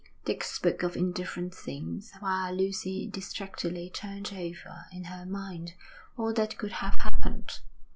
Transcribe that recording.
Dick spoke of indifferent things, while Lucy distractedly turned over in her mind all that could have happened.